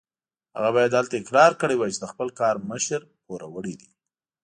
هغه باید هلته اقرار کړی وای چې د خپل کار مشر پوروړی دی.